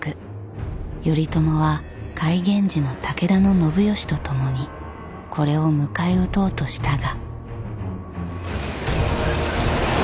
頼朝は甲斐源氏の武田信義と共にこれを迎え撃とうとしたが。